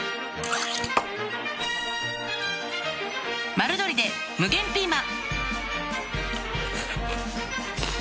「丸鶏」で無限ピーマン！